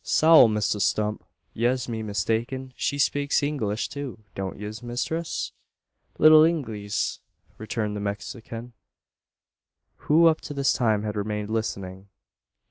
"Sowl, Misther Stump! yez be mistaken. She spakes English too. Don't yez, misthress?" "Little Inglees," returned the Mexican, who up to this time had remained listening.